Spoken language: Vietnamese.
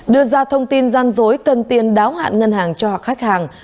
đưa ra thông tin gian dối cần tiền đáo hạn ngân hàng cho khách hàng